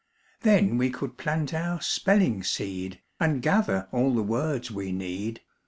Then we could plant our spelling seed, And gather all the words we need.